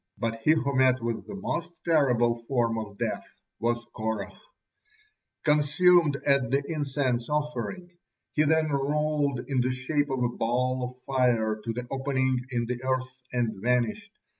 But he who met with the most terrible form of death was Korah. Consumed at the incense offering, he then rolled in the shape of a ball of fire to the opening in the earth, and vanished.